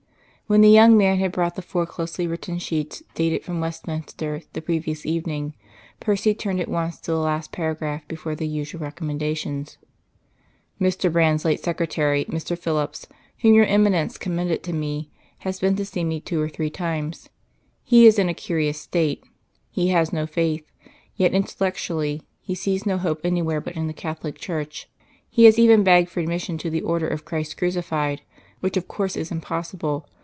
When the young man had brought the four closely written sheets, dated from Westminster, the previous evening, Percy turned at once to the last paragraph before the usual Recommendations. "Mr. Brand's late secretary, Mr. Phillips, whom your Eminence commended to me, has been to see me two or three times. He is in a curious state. He has no faith; yet, intellectually, he sees no hope anywhere but in the Catholic Church. He has even begged for admission to the Order of Christ Crucified, which of course is impossible.